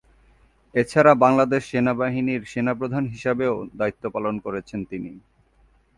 এছাড়া বাংলাদেশ সেনাবাহিনীর সেনাপ্রধান হিসেবেও দায়িত্ব পালন করেছেন তিনি।